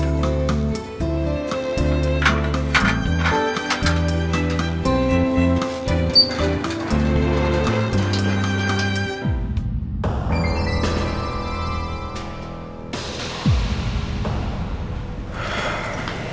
kami akan start meeting